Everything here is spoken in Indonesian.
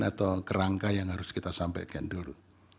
atau kerangka yang harus kita sampaikan dulu